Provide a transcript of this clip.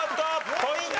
ポイントは？